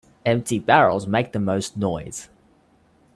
Empty barrels make the most noise.